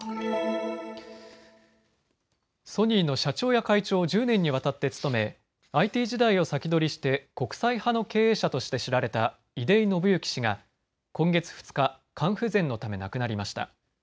ソニーの社長や会長を１０年にわたって務めＩＴ時代を先取りして国際派の経営者として知られた出井伸之氏が今月２日、肝不全のため亡くなりました。